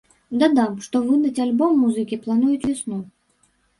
Дадам, што выдаць альбом музыкі плануюць увесну.